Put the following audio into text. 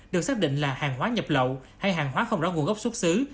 được xác định là hàng hóa nhập lậu hay hàng hóa không rõ nguồn gốc xuất xứ